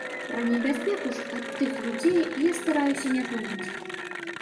Пра небяспеку ж ад тых людзей я стараюся не думаць.